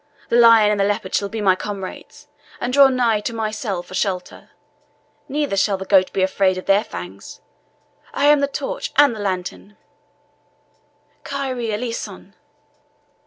The lion and the leopard shall be my comrades, and draw nigh to my cell for shelter; neither shall the goat be afraid of their fangs. I am the torch and the lantern Kyrie Eleison!"